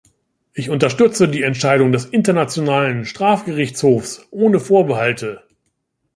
Ich unterstütze die Entscheidung des Internationalen Strafgerichtshofs ohne Vorbehalte.